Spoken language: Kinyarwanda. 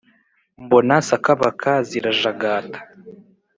mbona sakabaka zirajagata